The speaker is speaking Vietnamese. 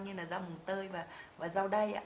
như là rau mùi tơi và rau đay